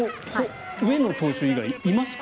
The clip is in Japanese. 上野投手以外いますか？